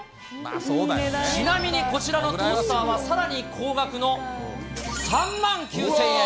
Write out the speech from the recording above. ちなみにこちらのトースターは、さらに高額の３万９０００円。